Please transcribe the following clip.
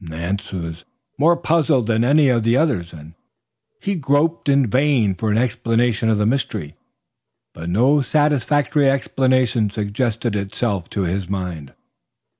Nance was more puzzled than any of the others and he groped in vain for an explanation of the mystery, but no satisfactory explanation suggested itself to his mind.